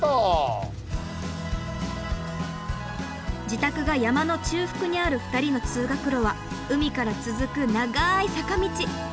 自宅が山の中腹にある２人の通学路は海から続く長い坂道。